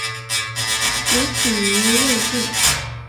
崛起于魏晋。